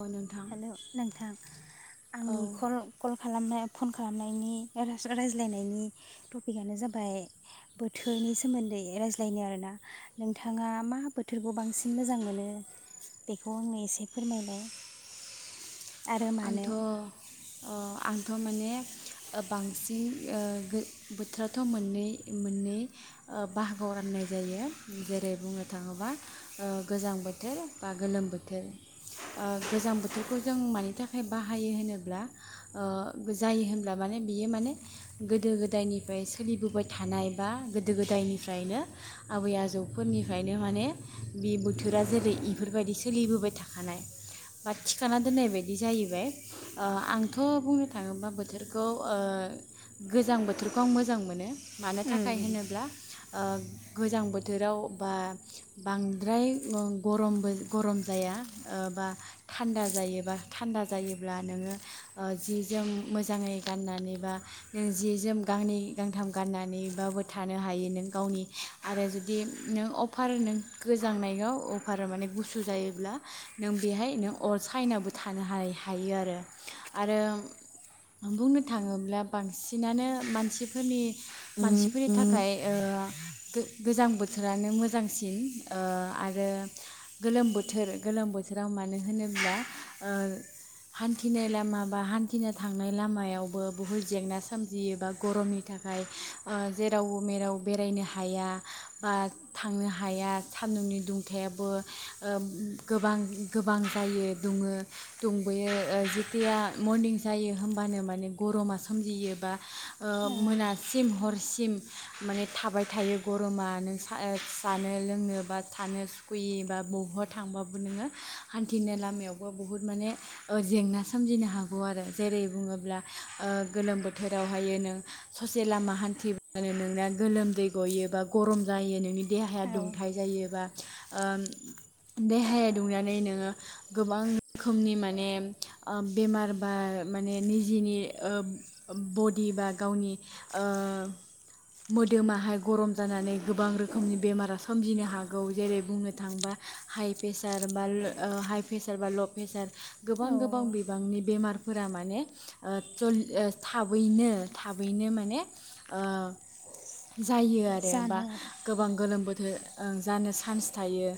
औ नोंथां हेलौ नोंथां औ आंनि कल कल खालामनाय फन खालामनायनि रायज्लायनायनि टपिकआनो जाबाय बोथोरनि सोमोन्दै रायज्लायनो आरोना नोंथाङा मा बोथोरखौ बांसिन मोजां मोनो बेखौ आंनो एसे फोरमायलाय आरो मानो आंथ' अ‌ आं थ' माने बांसिन ओ बोथोराथ' मोननै मोननै ओ बाहागोआव राननाय जायो जेरै बुंनो थाङोबा ओ गोजां बोथोर बा गोलोम बोथोर ओ गोजां बोथोरखौ जों मानि थाखाय नि बाहायो होनोब्ला ओ जायो होनब्ला माने बियो माने गोदो गोदायनिफ्राय सोलिबोबाय थानाय बा गोदो गोदायनिफ्रायनो आबै आजौफोरनिफ्रायनो माने बे बोथोरा जेरै इफोरबायदि सोलिबोबाय थाखानाय बा थिखाना दोननाय बायदि बिदि जाहैबाय ओ आंथ' बुंनो थाङोब्ला बोथोरखौ गोजां बोथोरखौ आं मोजां मोनो मानो थाखाय होनोब्ला ओ गोजां बोथोराव बा बांद्राय गरमबो गरम जाया बा थान्दा जायोबा थान्दा जायोब्ला नोङो ओ जि जोम मोजाङै गाननानै बा नों जि जोम गांनै गांथाम गाननानैबाबो थानो हायो नों गावनि आरो जुदि नों अफार नों गोजांनायाव अफार माने गुसु जायोब्ला नों बेहाय नों अर साइनाबो थानो हानाय हायो आरो आरो बुंनो थाङोब्ला बांसिनानो मानसिफोरनि मानसिफोरनि थाखाय ओ गोजां बोथोरानो मोजांसिन ओ आरो गोलोम बोथोर गोलोम बोथोराव मानो होनोब्ला ओ हान्थिनाय लामा बा हान्थिनो थांनाय लामायावबो बुहुत जेंना सोमजियो बा गरमनि थाखाय ओ जेरावबो मेराव बेरायनो हाया बा थांनो हाया सान्दुंनि दुंथायाबो ओ गोबां गोबां जायो दुङो दुंबोयो ओ जेतिगया मरनिं जायो होमबानो माने गरमा सोमजियो बा ओ औ मोनासिम हर सिम माने थाबाय थायो गरमा नों जानो लोंनो बा थानो सुखुयै बा बबावबा थांबाबो नोङो हान्थिनाय लामायाव बुहुद माने जेंना सोमजिनो हागौ आरो जेरै बुङोब्ला ओ गोलोम बोथोरावहाय नों ससे लामा हान्थिब्लानो नोंना गोलोमदै गयो बा गरम जायो नोंनि देहाया औ दुंथाय जायोबा ओ देहाया दुंनानै नोङो गोबां खोमनि माने ओ बेमार बा माने निजेनि ओ बडि बा गावनि ओ मोदोमाहाय गरम जानानै गोबां रोखोमनि बेमारा सोमजिनो हागौ जेरै बुंनो थाङोबा हाइ प्रेसार बा हाइ प्रेसार बा ल' प्रेसार गोबां औ गोबां बि गोबांनि बेमारफोरा माने ओ जल ओ थाबैनो थाबैनो माने ओ जायो आरो बा जानो आरो औ गोबां गोलोम बोथोर ओं जानो चान्स थायो।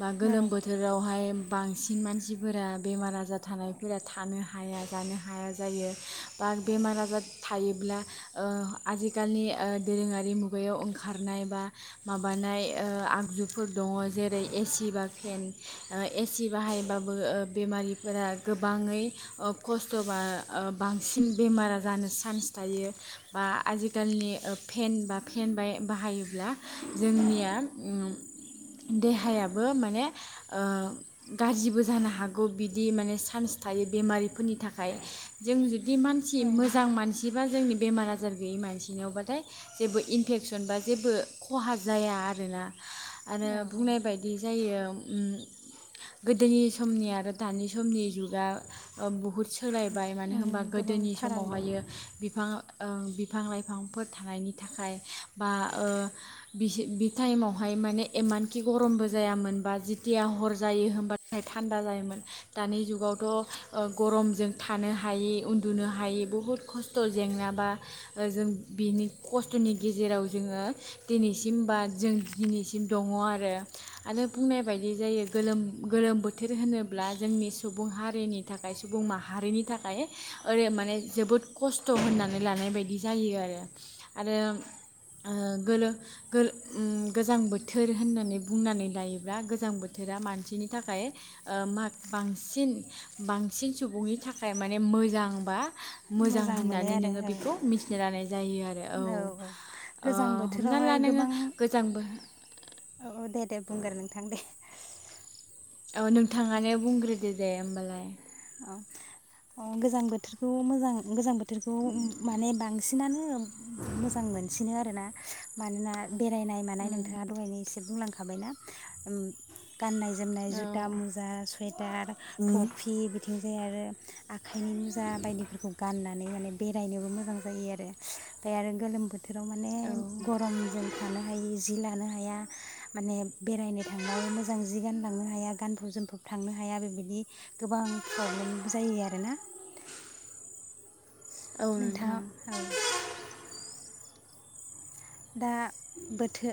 बा औ गोलोम बोथोरावहाय बांसिन मानसि फोरा बेमार आजार थानायफोरा थानो हाया जानो हाया जायो। बा बेमार आजार थायोब्ला ओ आजिखालनि ओ दोरोङारि मुगायाव ओंखारनाय बा माबानाय ओ आगजुफोर दङ जेरै एसि बा फेन ओ एसि बाहायबा ओ बेमारिफोरा गोबाङै ओ खस्थ' बा ओ बांसिन बेमारा जानो चान्स थायो बा आजिखालनि फेन बा फेन बा बाहायोब्ला जोंनिया उम देहायाबो माने ओ गाज्रिबो जानो हागौ बिदि माने चान्स थायो बेमारिफोरनि थाखाय। जों जु दि मानसि औ औ मोजां मानसि बा जोंनि बेमार आजार गैयि मानसिनियावबाथाय जेबो इनफेकसन बा जेबो खहा जाया आरोना। आरो बुंनाय बायदि जायो उम गोदोनि समनि आरो दानि समनि जुगा ओ बुहुद सोलायबाय मानो उम होनबा गोबां गोदोनि फाराग दं समावहायो बिफां ओं बिफां लाइफांफोर थानायनि थाखाय बा ओ बिस बि टाइमावहाय माने इमानखि गरमबो जायामोनबा जिथिया हर जायो होनबाथाय थान्दा जायोमोन। दानि जुगावथ' ओ गरमजों थानो हायि उन्दुनो हायि बुहुद खस्थ' जेंनाबा जों बिनि खस्थ'नि गेजेराव जोङो दिनैसिम बा जों दिनैसिम दङ' आरो। आरो बुंनाय बायदि जायो गोलोम गोलोम बो थोर होनोब्ला जोंनि सुबुं हारिनि थाखाय सुबुं माहारिनि थाखाय ओरै माने जोबोद खस्थ' होननानै लानाय बायदि जायो आरो। आरो ओ गोलो गोल उम गोजां बोथोर होननानै बुंनानै लायोब्ला गोजां बोथोरा मानसिनि थाखाय ओ मा बांसिन बांसिन सुबुंनि थाखाय माने मोजां बा मोजां मोनो होननानै आरो नोङो औ बेखौ मिथिनो लानाय जायो आ औ, ओ गोजां हमना ला बोथोरावहाय नोङो गोबां गोजांबो औ दे दे बुंगोर नोंथां दे। औ नोंथाङानो बुंग्रोदो दे होमबालाय। औ अ' गोजां बोथोरखौ मोजां गोजां बो थोरखौ माने बांसिनानो मोजां मोनसिनो आरोना। मानोना बेरायनाय मानाय नोंथाङा दहायनो एसे बुंलां खाबायना उम गाननाय जोमनाय औ जुथा, मुजा, सुवेटार, टफि बिथिं जाय आरो आखाइनि मुजा बायदिफोरखौ गानना नै माने बेरायनोबो मोजां जायो आरो ओमफ्राय आरो गोलोम बो थोराव माने औ गरमजों थानो हायि जि लानो हा या माने बेरायनो थांबाबो मोजां जि गानलांनो हाया गानफब जोमफब थांनो हाया बेबायदि गोबां प्रब्लेम जायो आरोना। औ नोंथाङा नोंथां औ दा बोथो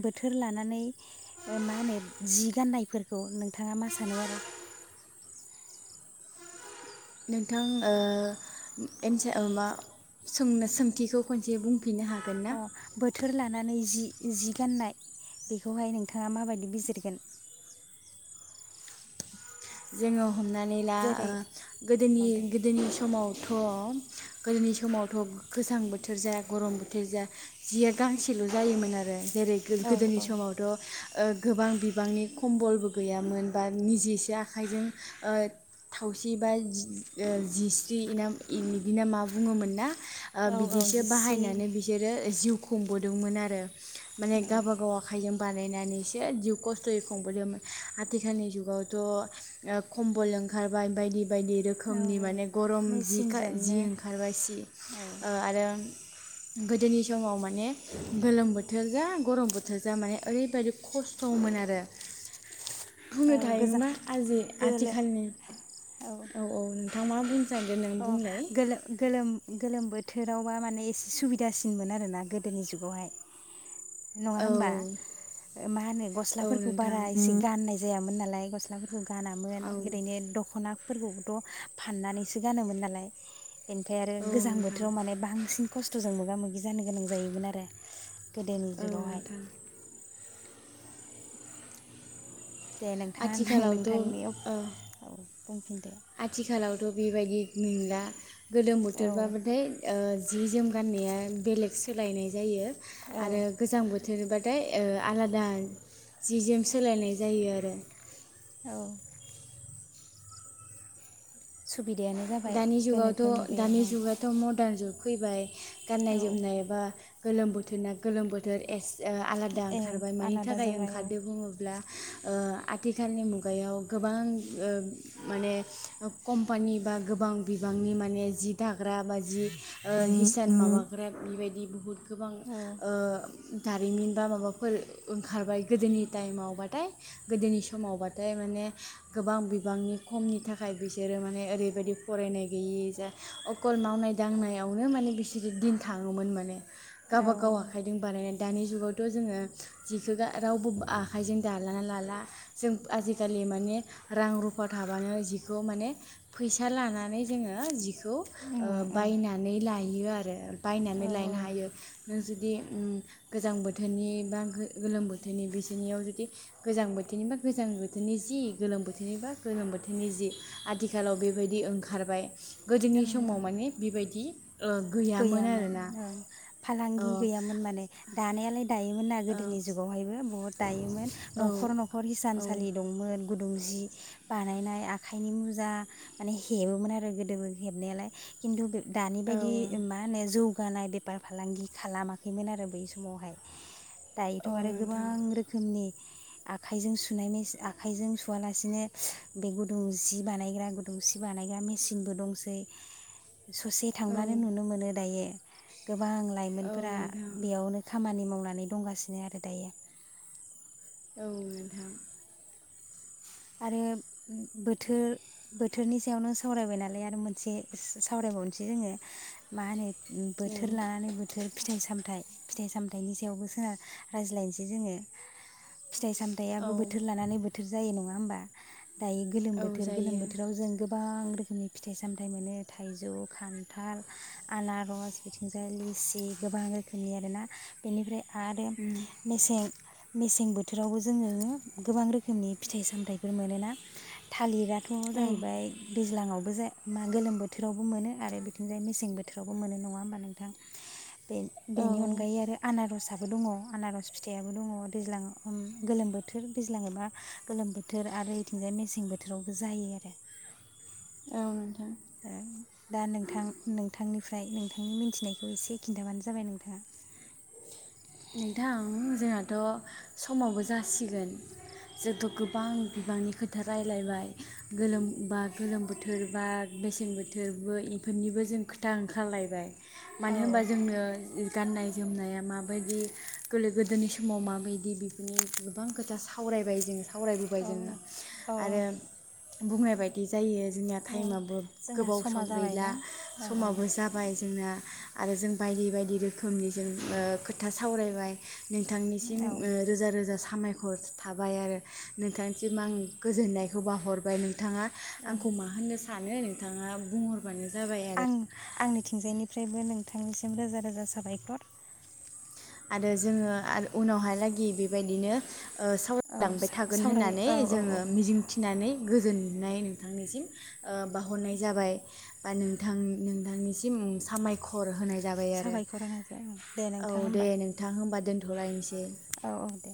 बो थोर लानानै मा होनो जि गान्नायफोरखौ नोंथाङा मा सानो आरो? नोंथां ओ [inaudible] सोंनो-सोंथिखौ खनसे बुं अ बोथोर लानानै जि जि गाननाय बेखौहाय नोंथाङा माबायदि बिजिरगोन? जोङो हमनानै ला जेरै औ गोदोनि दे गोदोनि समाव थ' गोदोनि समावथ' गोजां बोथोर जाया गरम बोथोर जााया जिया गांसेल' जायोमोन आरो। जेरै औ गोदोनि औ समावथ' गोबां बिबांनि खम्बलबो गैयामोन बा निजेसो आखाइजों थावसि बा जिस्रि बिदिना मा बुङोमोन ना। औ औ बिदिसो जिस्रि बाहायनानै बिसोरो जिउ खुंबोदोंमोन आरो। माने औ गावबा गाव आखायजों बानायनानैसो जिउ खस्थ'यै खुंबोदोंमोन आथिखालनि जुगावथ' खम्बल ओंखारबाय बायदि बायदि औ रोखोमनि औ माने गरम जि जि मेचिनजोंनो ओंखारबाय सि औ आरो गोदोनि समाव माने गोलोम बोथोर जा गरम बोथोर जा माने ओरैबायदि खस्थ'मोन आरो। औ बुंनो थायो गोजा मा आजि गोलो आथिखालनि औ औ नोंथाङ मा बुं अ गोलो गोलोम गोलोम बो बोथोरावबा माने एसे सुबिदासिनमोन आर ना गोदोनि जुगावहाय। नङा औ होमबा मा होनो औ गस्लाफोरखौ नोंथां बारा एसे गाननाय जायामोन नालाय। गस्लाफोर गानामोन औ ओरैनो दख'ना फोरखौबोथ' फाननानैसो गानोमोन नालाय। बेनिफ्राय आरो औ गोजां नोंथां बोथोराव माने बांसिन खस्थ'जों मोगा मोगि जानो गोनां जायोमोन आरो। गोदोनि औ जुगावहाय नोंथां दे नोंथाङा आथिखालावथ' नोंथांनि औ ओ बुंफिनदो। आथिखालावथ' बेबायदि नंला। गोलोम औ बोथोरबाबथाय ओ जि जोम गान्नाया बेलेग सोलायनाय जायो। औ आरो गोजां बोथोरनि बा थाय अ आलादा जि जोम सोलायनाय जायो आरो औ सुबिदायानो जाबाय दानि गोनोखो जुगावथ' मुगायाव दानि ओं जुगाथ' म- दान जुग फैबाय गाननाय औ जोमनायबा गोलोम बोथोर ना गोलोम बोथोर एस अ आलादा ए ओंखारबाय मानि आलादा थाखाय जाबाय औ ओंखारदो बुङोब्ला। अ आथिखालनि मुगायाव गोबां अ माने कम्पानि बा गोबां बिबांनि माने जि दाग्रा बा जि अ हिसान माबाग्रा बेबायदि बुहुत गोबां औ अ दारिमिन बा माबाफोर ओंखारबाय गोदोनि टाइमावबाथाय गोदोनि समावबाथाय माने गोबां बिबांनि खमनि थाखाय बिसोरो माने ओरैबायदि। फरायनाय गैयि जा अकल मावनाय दांनायावनो माने बिसोरो दिन थाङोमोन माने औ गावबा गाव आखाइजों बानायनाय दानि जुगावथ' जोङो जिखौ गा रावबो आखाइजों दालाना लाला जों आजिखालि माने रां रुफा थाबानो जिखौ माने फैसा लानानै माने जोङो जिखौ अ उम उम बायनानै लायो आरो औ बायनानै लायनो हायो नों जुदि उम गोजां बोथोरनि बा गो-गोलोम बोथोरनि बिसोरनियाव जुदि गोजां बोथोरनि बा गोजां बोथोरनि जि गोलोम बोथोरनि बा गोलोम बोथोरनि जि आथिखालाव बेबायदि ओं- खारबाय। गोदोनि ओं समाव ओं माने बेबायदि फि [inaudible] गैयामोन ओं औ फालांगि गैयामोन माने दानायालाय दायोमोन ना गोदो जुगावहायबो बहुत दायोमोन औ न'खर-न'खर हिसानसालि दंमोन गुदुं जि बानायनाय आखाइनि मुजा माने हेबोमोन आरो गोदोबो हेबनायालाय खिन्थु बे दानि औ बायदि मा होनो जो- गानाय बेफार फालांगि खालामाखैमोन आरो बै समावहाय। दायोथ' औ आरो नोंथां गोबां रोखोमनि आखाइजों सुनाय मेच आखाइजों सुवालासिनो बे गुदुं जि बानायग्रा गुदुं सि बानायग्रा मेसिनबो दंसै ससे औ थांब्ला- नो नुनो मोनो दायो। गोबां औ लाइमोनफोरा नोंथां बेयावनो खामानि मावनानै दंगासिनो आरो दायो। औ नोंथां। आरो बोथोर-बोथोरनि सायावनो सावरायबाय नालाय आरो मोनसे सावरायबावनोसै जोङो मा होनो औ बोथोर लानानै बोथोर फिथाइ -सामथाइ फिथाइ सामथाइनि सायावबो जोंहा रायज्लायनोसै जोङो फिथाइ- सामथाइयाबो औ बोथोर लानानै बोथोर जायो नङा होमबा? दायो गोलोम औ बोथोर गोलोम जायो बोथोराव जों गोब गोबां रोखोमनि फिथाइ-सामथाइ मोनो थाइजौ खान्थाल आनार'स बिथिंजाय लिसि गोबां रोखोमनि आरोना बेनिफ्राय आरो मेसें मेसें बोथोरावबो जोङो गोबां रोखोमनि फिथाइ-साम थाइफोर मोनो ना थालिरा थ' औ जाहैबाय दैज्लांङावबो जाय मा गोलोम बोथोरावबो मोनो आरो बिथिंजाय मेसें बोथोरावबो मोनो नङा होमबा नोंथां? बेन औ बेनि अनगायै औ आरो आनार'सा दङ' आनार'स फिथाइयाबो दङ' दैज्लाङाव ओम गोलोम बोथोर दैज्लां एबा गोलोम बोथ थोर आरो इथिंजाय मेसें बोथोरावबो जायो आरो ओ नोंथ दा नोंथां नोंथांनि ओमफ्राय नोंथांनि मिनथिनायखौ एसे खिन्थाबानो जाबाय नोंथाङा नोंथां जोंहाथ' समावबो जासिगोन जोंथ' गोबां बिबांनि खोथा रायलायबाय गोलोम बा गोलोम बोथोर बा बेसेन बोथोरबो इफोरनिबो जों खोथा ओंखारलायबाय औ मानो होमबा जोंनो गाननाय ज जोमनाया मा बायदि गोल्लो गोदोनि समाव माबायदि बेफोरनि गोबां खोथा सावरायबाय जोङो सावरायबोबाय औ जोङो औ आरो बुंनाय बायदि जायो जोंनिया औ थाइमाबो जोंना गोबाव समा सम गैला जाबायना ओं ओं समाबो जाबाय जोंना आरो जों बायदि बायदि रोखोमनि जों ओ खोथ था सावरायबाय नोंथांनिसिम औ ओ रोजा रोजा साह [unintelligible] मायखरस थाबाय आरो नोंथांनिसिम आं गोजोननायखौ बाहरबाय नोंथाङा ओं आंखौ मा होननो स सानो नोंथाङा बुंहरबानो ज आं आंनिथिंजायनिफ्रायबो नों थांनिसिम रोजा-रोजा साबायखर आरो जोङो आर उनावहालागि बेबायदिनो ओ औ सावरायलांबाय थागोन सावराय होननानै औ औ औ जोङो मिजिंथिनानै गोजोननाय नोंथांनिसिम ओ बाउहरनाय जाबाय बा नोंथां नोंथांनिसिम सामायखर होनाय ज साबायखर होनाय जाबाय ओं दे नों थाङो दे होमबा। नोंथां होमबा दोनथ'लायनोसै औ औ दे